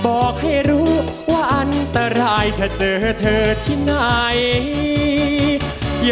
บอกให้รู้ว่าอันตรายถ้าเจอเธอที่ไหน